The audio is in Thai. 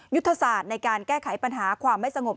ยุทธศาสตร์ในการแก้ไขปัญหาความไม่สงบ